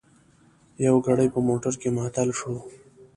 یو ګړی په موټر کې معطل شوو.